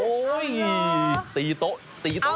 โอ้ยตีโต๊ะตีโต๊ะตีโต๊ะตีโต๊ะ